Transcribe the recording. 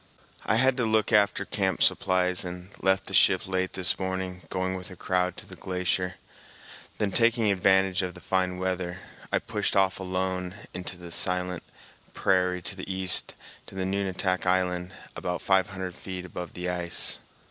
I had to look after camp supplies and left the ship late this morning, going with a crowd to the glacier; then, taking advantage of the fine weather, I pushed off alone into the silent icy prairie to the east, to Nunatak Island, about five hundred feet above the ice.